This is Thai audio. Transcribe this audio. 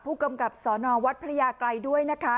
ผู้กำกับสนวัดพระยาไกรด้วยนะคะ